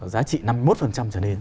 giá trị năm mươi một cho nên